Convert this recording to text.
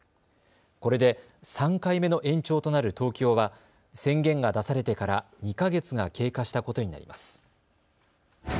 これで３回目の延長となる東京は宣言が出されてから２か月が経過したことになります。